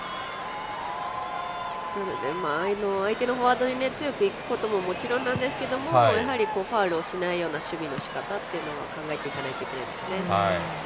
相手のフォワードに強くいくことももちろんなんですけどもやはりファウルをしないような守備のしかたっていうのを考えていかないといけないですね。